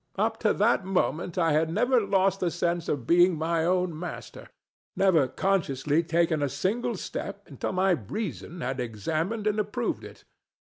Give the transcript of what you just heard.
Up to that moment I had never lost the sense of being my own master; never consciously taken a single step until my reason had examined and approved it.